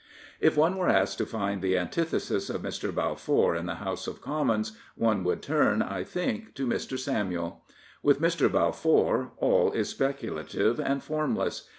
If one were asked to find the antithesis of Mr. Bal four in the House of Commons, one would turn, I think, to Mr. Samuel. With Mr. Balfour all is specu lative and formless.